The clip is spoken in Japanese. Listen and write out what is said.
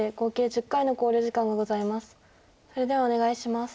それではお願いします。